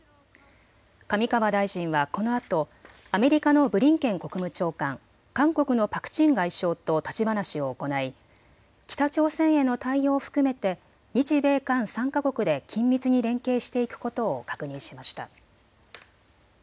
上川大臣はこのあとアメリカのブリンケン国務長官、韓国のパク・チン外相と立ち話を行い、北朝鮮への対応を含めて日米韓３か国で緊密に連携していくことを確認しました。